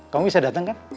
kamu bisa datang kan